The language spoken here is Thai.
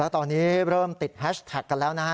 ตอนนี้เริ่มติดแฮชแท็กกันแล้วนะฮะ